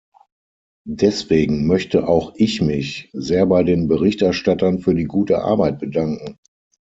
Deswegen möchte auch ich mich sehr bei den Berichterstattern für die gute Arbeit bedanken.